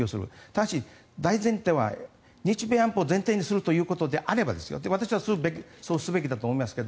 ただし、大前提は日米安保を前提にすることであれば私はそうすべきだと思いますが